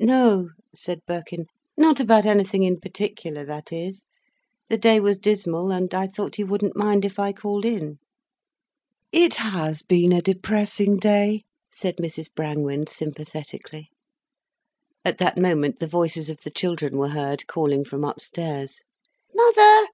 "No," said Birkin, "not about anything, in particular, that is. The day was dismal, and I thought you wouldn't mind if I called in." "It has been a depressing day," said Mrs Brangwen sympathetically. At that moment the voices of the children were heard calling from upstairs: "Mother!